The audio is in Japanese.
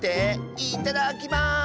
いただきます！